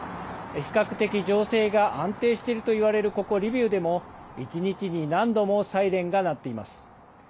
比較的情勢が安定しているといわれる、ここ、リビウでも、１日に何度もサイレンが鳴っています。